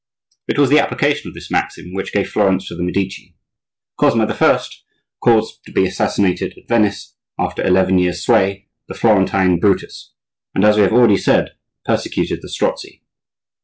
It was the application of this maxim which gave Florence to the Medici. Cosmo I. caused to be assassinated at Venice, after eleven years' sway, the Florentine Brutus, and, as we have already said, persecuted the Strozzi.